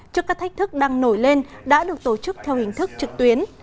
trước các thách thức đang nổi lên đã được tổ chức theo hình thức trực tuyến